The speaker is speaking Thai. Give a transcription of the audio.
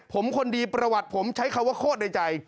ผมคนดีประวัติผมใช้คำว่าโคตรในใจ